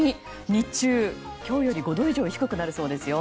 日中、今日より５度以上低くなるそうですよ。